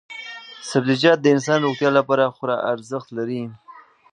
سبزیجات د انسان روغتیا لپاره خورا ارزښت لري.